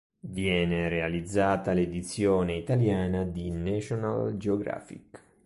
Viene realizzata l'edizione italiana di National Geographic.